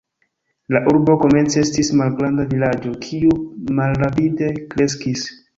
La urbo komence estis malgranda vilaĝo kiu malrapide kreskis.